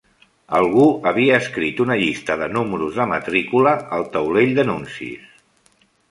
Algú havia escrit una llista de números de matrícula al taulell d'anuncis.